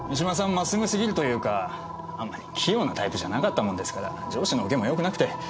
真っ直ぐすぎるというかあんまり器用なタイプじゃなかったもんですから上司の受けもよくなくて。